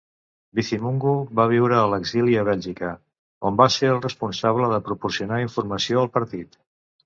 Bizimungu va viure a l'exili a Bèlgica, on va ser el responsable de proporcionar informació al partit.